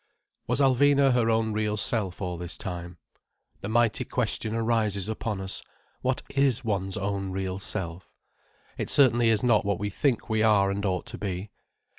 Was Alvina her own real self all this time? The mighty question arises upon us, what is one's own real self? It certainly is not what we think we are and ought to be.